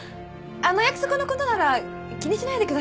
あの約束のことなら気にしないでください。